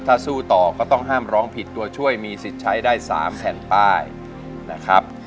ถ้าสู้ต่อก็ต้องห้ามร้องผิดตัวช่วยมีสิทธิ์ใช้ได้๓แผ่นป้ายนะครับ